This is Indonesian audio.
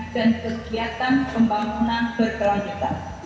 dan kegiatan pembangunan berkelanjutan